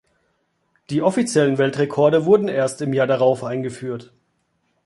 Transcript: Die offiziellen Weltrekorde wurden erst im Jahr darauf eingeführt.